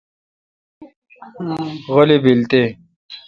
غلی بیل تے۔